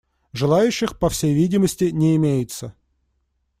Желающих, по всей видимости, не имеется.